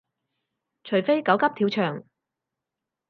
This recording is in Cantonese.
除非狗急跳墻